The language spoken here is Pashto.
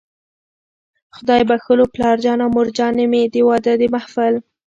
خدای بښلو پلارجان او مورجانې مې، د واده د محفل